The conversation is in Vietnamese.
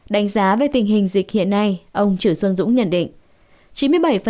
đánh giá về tình hình dịch hiện nay ông trưởng xuân dũng nhận định